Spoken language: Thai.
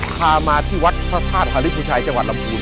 ขามาที่วัดพระธาตุอริสตุชายจังหวัดลำภูมิ